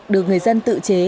được người dân tự chế